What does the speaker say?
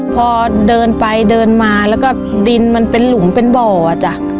พอเดินไปเดินมาแล้วก็ดินมันเป็นหลุมเป็นบ่ออ่ะจ้ะ